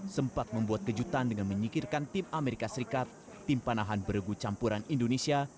sempat membuat kejutan dengan menyikirkan tim amerika serikat tim panahan beregu campuran indonesia